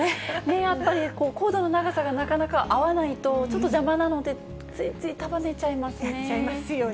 やっぱりコードの長さがなかなか合わないと、ちょっと邪魔なのでついつい束ねちゃいますね。